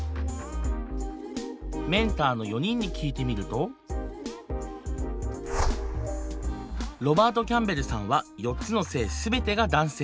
メンターの４人に聞いてみるとロバート・キャンベルさんは４つの性全てが男性。